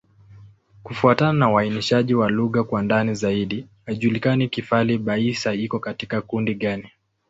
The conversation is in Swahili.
Kufuatana na uainishaji wa lugha kwa ndani zaidi, haijulikani Kifali-Baissa iko katika kundi gani.